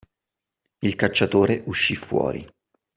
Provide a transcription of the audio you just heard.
Il cacciatore uscì fuori